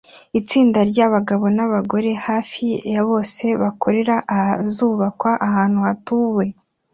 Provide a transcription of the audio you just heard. Itsinda ryabagabo nabagore hafi ya bose bakorera ahazubakwa ahantu hatuwe